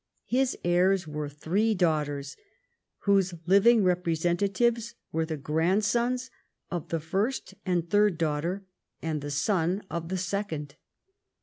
His heirs were three daughters, whose living repre sentatives were the grandsons of the first and third daughter and the son of the second.